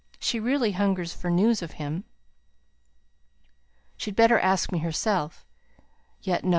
She really hungers for news of him." "She'd better ask me herself. Yet, no!